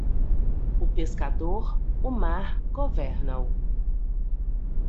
O pescador, o mar, governa-o.